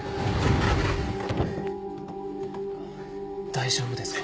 大丈夫ですか？